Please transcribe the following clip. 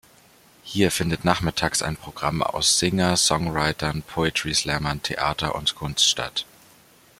Hier findet nachmittags ein Programm aus Singer-Songwritern, Poetry-Slamern, Theater und Kunst statt.